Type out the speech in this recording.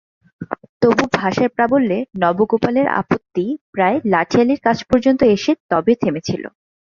তবু ভাষার প্রাবল্যে নবগোপালের আপত্তি প্রায় লাঠিয়ালির কাছ পর্যন্ত এসে তবে থেমেছিল।